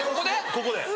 ここで。